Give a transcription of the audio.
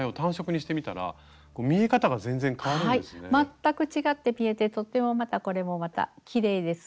全く違って見えてとってもまたこれもまたきれいです。